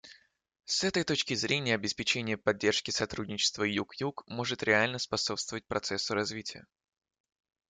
С этой точки зрения обеспечение поддержки сотрудничества Юг-Юг может реально способствовать процессу развития.